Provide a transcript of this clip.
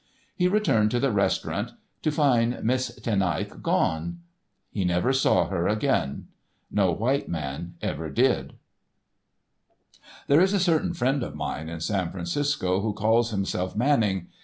He returned to the restaurant to find Miss Ten Eyck gone. He never saw her again. No white man ever did. There is a certain friend of mine in San Francisco who calls himself Manning.